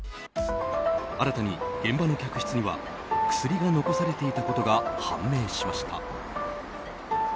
新たに、現場の客室には薬が残されていたことが判明しました。